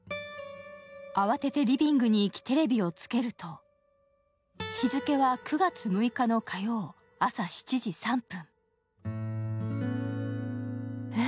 慌ててリビングに行きテレビをつけると日付は９月６日の火曜朝７時３分。